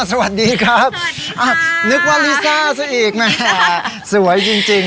สวัสดีครับสวัสดีค่ะอ่ะนึกว่าลิซ่าซะอีกมั้ยสวยจริงจริง